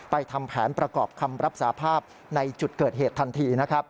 ทำแผนประกอบคำรับสาภาพในจุดเกิดเหตุทันทีนะครับ